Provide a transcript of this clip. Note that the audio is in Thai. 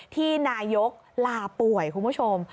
ที่นายกลาป่วยคุณผู้ชม